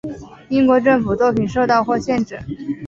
英国政府作品受到或限制。